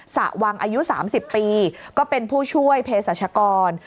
ระวังอายุ๓๐ปีก็เป็นผู้ช่วยเพศรัชกร